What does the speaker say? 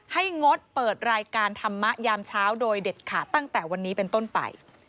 งดเปิดรายการธรรมะยามเช้าโดยเด็ดขาดตั้งแต่วันนี้เป็นต้นไป